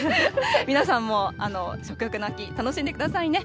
皆さんも食欲の秋、楽しんでくださいね。